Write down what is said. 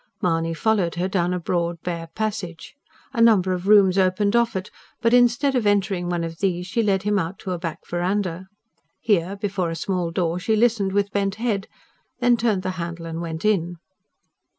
Mahony followed her down a broad, bare passage. A number of rooms opened off it, but instead of entering one of these she led him out to a back verandah. Here, before a small door, she listened with bent head, then turned the handle and went in.